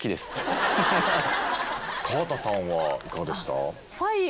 川田さんはいかがでした？